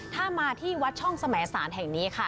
ถ้ามาที่วัดช่องสมสารแห่งนี้ค่ะ